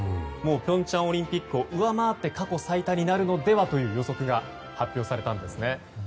平昌オリンピックを上回って過去最多になるのではという予測が発表されたんですね。